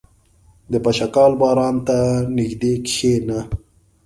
• د پشکال باران ته نږدې کښېنه.